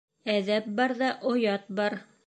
Әҙәп барҙа оят бар.